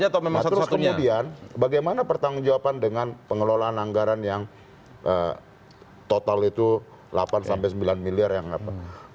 nah terus kemudian bagaimana pertanggung jawaban dengan pengelolaan anggaran yang total itu delapan sembilan miliar yang apa